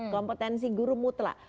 kompetensi guru mutlak